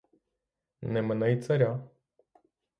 Не мине й царя.